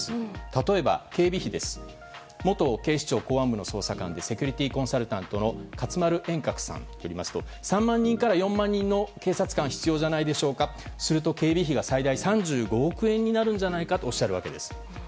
例えば、警備費です元警視庁公安部捜査官でセキュリティーコンサルタントの勝丸円覚さんによりますと３万人から４万人の警察官が必要じゃないでしょうかそうすると費用が最大３５億円になるんじゃないかとおっしゃるわけです。